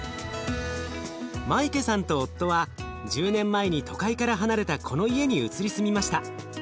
マイケさんと夫は１０年前に都会から離れたこの家に移り住みました。